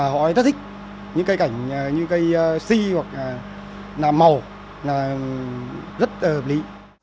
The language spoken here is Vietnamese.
họ rất thích những cây cảnh như cây si hoặc là màu rất hợp lý